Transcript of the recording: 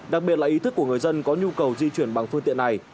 đặc biệt là ý thức của người dân có nhu cầu di chuyển bằng phương tiện này